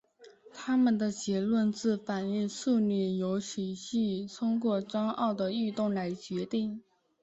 他们的结论是反应速率由体系通过山坳的运动来决定。